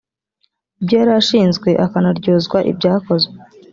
ibyo yari ashinzwe akanaryozwa ibyakozwe